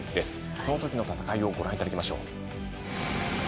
そのときの戦いをご覧いただきましょう。